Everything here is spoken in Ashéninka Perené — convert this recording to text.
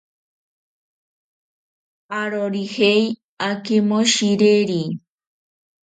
Arorijei akimoshireri.